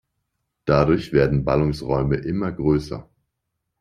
Dadurch werden Ballungsräume immer größer.